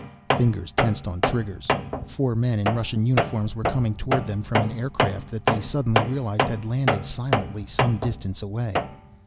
Fingers tensed on triggers. Four men in Russian uniforms were coming toward them from an aircraft that they suddenly realized had landed silently some distance away.